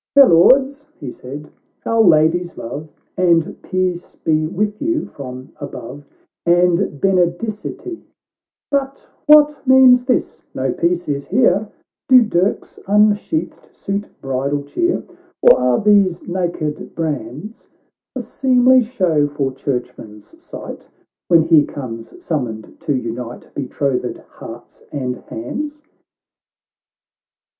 " Fair Lords," he said, " Our Lady's love, And peace be with you from above, And Benedicite !—— But what means this ? no peace is here !— Bo dirks unsheathed suit bridal cheer ? Or are these naked brands A seemly show for Churchman's sight, When he comes summoned to unite Betrothed hearts and hands